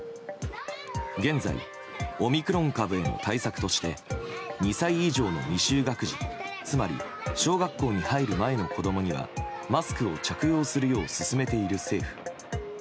現在オミクロン株への対策として２歳以上の未就学児、つまり小学校に入る前の子供にはマスクを着用するよう勧めている政府。